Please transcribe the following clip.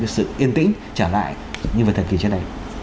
sự yên tĩnh trở lại như vào thời kỳ trước này